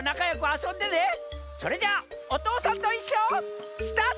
それじゃあ「おとうさんといっしょ」スタート！